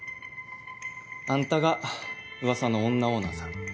あんたがうわさの女オーナーさん。